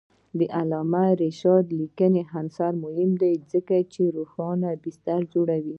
د علامه رشاد لیکنی هنر مهم دی ځکه چې روښانه بستر جوړوي.